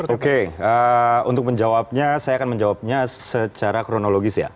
oke untuk menjawabnya saya akan menjawabnya secara kronologis ya